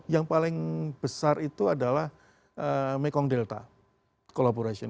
yang paling besar itu adalah mekong delta collaboration